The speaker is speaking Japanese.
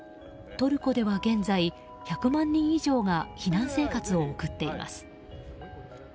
トルコでは現在１００万人以上が避難生活を送っています。